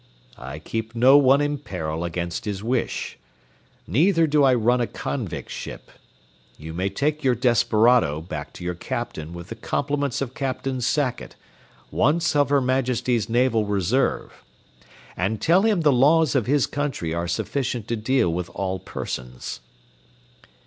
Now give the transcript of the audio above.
I keep no one in peril against his wish. Neither do I run a convict ship. You may take your desperado back to your captain with the compliments of Captain Sackett, once of Her Majesty's Naval Reserve, and tell him the laws of his country are sufficient to deal with all persons."